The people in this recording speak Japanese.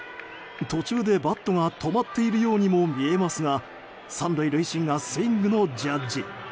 途中でバットが止まっているようにも見えますが３塁塁審がスイングのジャッジ。